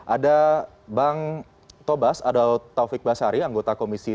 ada bang tobas adhout taufik basari anggota komisi tni